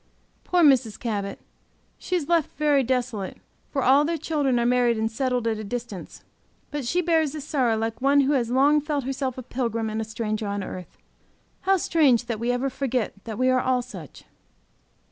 Poor Mrs. Cabot! She is left very desolate, for all their children are married and settled at a distance. But she bears this sorrow like one who has long felt herself a pilgrim and a stranger on earth. How strange that we ever forget that we are all such!